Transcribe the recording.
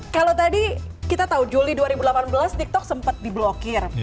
kalau tadi kita tahu juli dua ribu delapan belas tiktok sempat diblokir